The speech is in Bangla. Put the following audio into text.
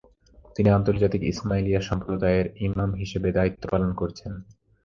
তিনি আন্তর্জাতিক ইসমাইলিয়া সম্প্রদায়ের ইমাম হিসাবে দায়িত্ব পালন করেছেন।